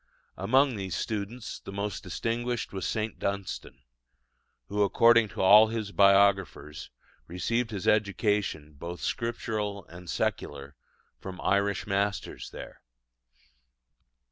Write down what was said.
Among these students the most distinguished was St. Dunstan, who, according to all his biographers, received his education, both Scriptural and secular, from Irish masters there.